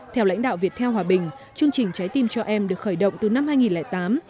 theo lãnh đạo việt theo hòa bình chương trình trái tim cho em được khởi động từ năm hai nghìn tám